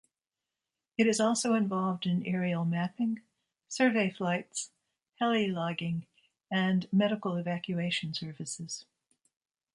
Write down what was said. It is also involved in aerial mapping, survey flights, heli-logging and medical evacuation services.